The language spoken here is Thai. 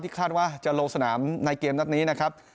คาดว่าจะลงสนามในเกมนัดนี้นะครับ